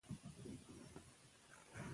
او د دې خاورې د هویت ستنه ده.